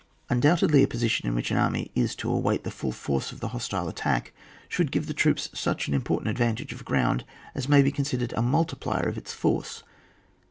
Undoubtedly a position in which an army is to await the full force of the hostile attack, should give the troops such an important advantage of ground as may be considered a multiplier of its force.